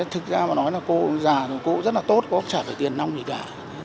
thực ra mà nói là cô già rồi cô rất là tốt cô cũng chả phải tiền nông gì cả